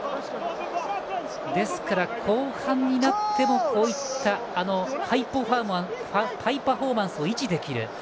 ですから、後半になってもこういったハイパフォーマンスを維持できる。